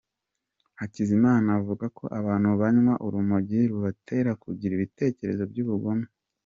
Hakizimana avuga ko abantu banywa urumogi rubatera kugira ibitekerezo by’ubugome.